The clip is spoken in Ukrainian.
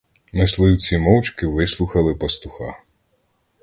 Мисливці мовчки вислухали пастуха.